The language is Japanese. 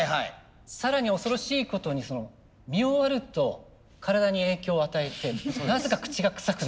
更に恐ろしいことに見終わると体に影響を与えてなぜか口がくさくなる。